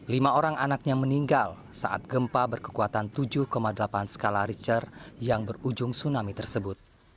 lima orang anaknya meninggal saat gempa berkekuatan tujuh delapan skala richter yang berujung tsunami tersebut